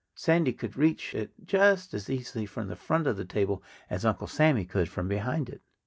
Sandy could reach it just as easily from the front of the table as Uncle Sammy could from behind it.